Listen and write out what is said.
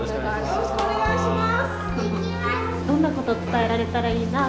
よろしくお願いします。